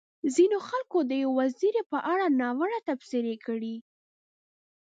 ځينو خلکو د يوې وزيرې په اړه ناوړه تبصرې کړې.